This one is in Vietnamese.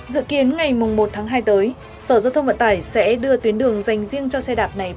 dự kiến ngày một tháng hai tới sở giao thông vận tải sẽ đưa tuyến đường dành riêng cho xe đạp này